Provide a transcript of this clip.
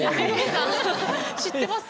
知ってます？